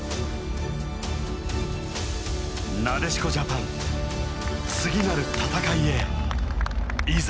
なでしこジャパン次なる戦いへいざ。